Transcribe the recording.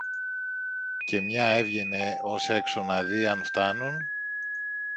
και μια έβγαινε ως έξω να δει αν φθάνουν